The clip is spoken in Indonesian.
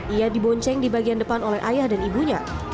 ia dibonceng di bagian depan oleh ayah dan ibunya